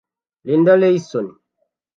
Lindy Larson